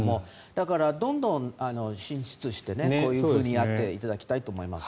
だから、どんどん進出してこういうふうにやっていただきたいと思います。